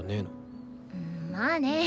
まあね。